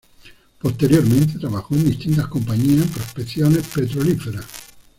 Posteriormente trabajó en distintas compañías en prospecciones petrolíferas.